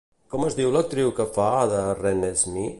Com es diu l'actriu que fa de Renesmee?